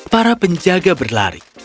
para penjaga berlari